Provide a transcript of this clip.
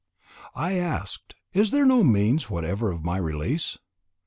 I asked: "Is there no means whatever of my release?"